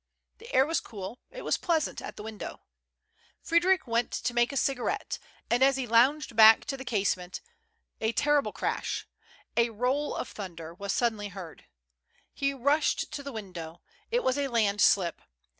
The air was cool ; it was pleas ant at the window. Frederick went to make a cigar ette, and as he lounged back to the casement a terrible crash — a roll of thunder — was suddenly heard. He rushed to the window. It was a landslip.